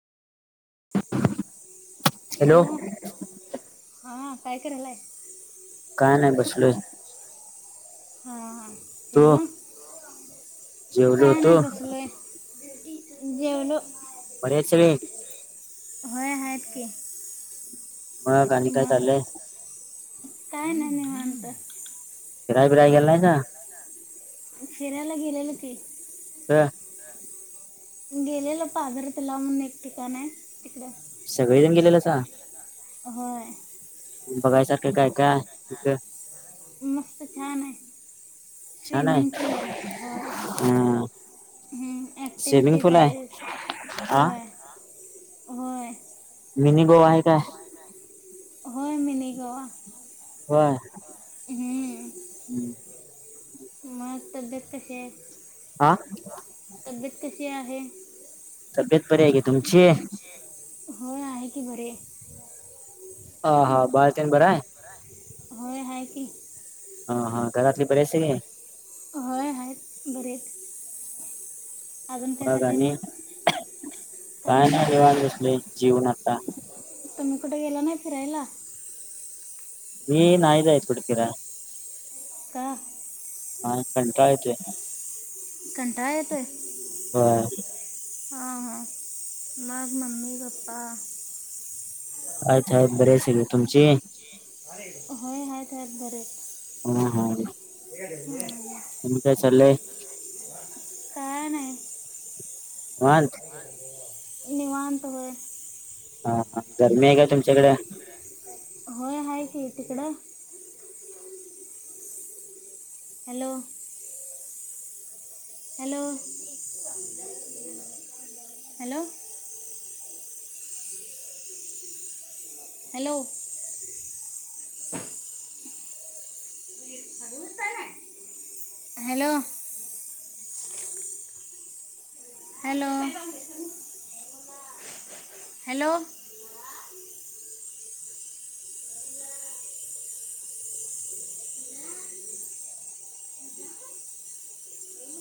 Hello हा, काय करालाय? काय नाही बसलोय. हा हा तू जेवला जेवलो काय होतो नाही बसलोय जेवलो बरी आहे सगळी होय आहेत की. मग आणि काय मग चाललंय. काय नाही निवांत. फिराय बिराय गेला नाहीसा. फिरायला गेलेलो की. ह! गेलेलो पाझरतलाव म्हणून एक ठिकाण आहे तिकड सगळेजण गेलेल्यासा होय. बघायसारखं काय, काय, हाय तिथ मस्त छान आहे छान आहे स्विमिंग पुूल आहे होय अ ह स्विमिंग ऍक्टिव्हिटीज पूल आहे आहेत हा होय होय! मिनी गोवा आहे काय. होय मिनी गोवा. होय! हूं मग तब्येत कशी हे हा तब्येत कशी आहे. तब्येत बरी आहे का तुमची? होय आहे की बरी हा बाळ तेन बरं हाय होय हाय की. हा घरातली बर आहेत सगळी. होय आहेत बरेच अजून काय मग चाललंय म. आणि काय नाही निवांत बसलोय जेवून आता कुठं गेला नाही फिरायला मी नाही जायत कुठं फिराया का? नाय कंटाळा येतोय. कंटाळा येतोय. होय हा ह म मम्मी, पप्पा. आयत हायत बरे आहेत सगळे तुमचे? होय आहेत, आहेत बरे. हा हे! ह! आनी काय चाललंय? काय नाही. निवांत? निवांनतवय हा हा! गरमी आहे का तुमच्याकडे? होय आहे की तिकडं hello! Hello hello hello! Hello! Hello! Hello!